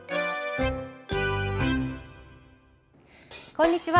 こんにちは。